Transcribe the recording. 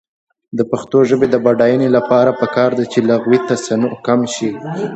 د پښتو ژبې د بډاینې لپاره پکار ده چې لغوي تصنع کم شي.